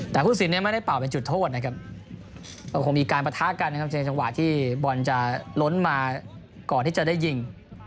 แต่ครู่สิทธิไม่ได้เป่าเป็นจุดโทษมีการประทะกันในจังหวะที่บอลล้นมาก่อนที่จะได้ยิง